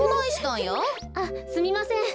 あっすみません。